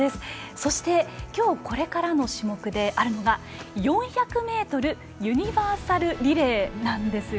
そして今日これからの種目であるのが４００ｍユニバーサルリレーです。